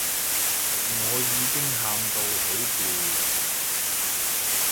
我已經喊到好攰